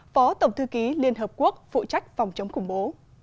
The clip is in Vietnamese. phó tổng thư ký liên hợp quốc phụ trách phòng chống khủng bố